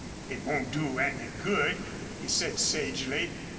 "It won't do any good," he said, sagely.